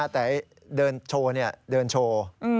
แต่เดินโชว์เนี่ยเดินโชว์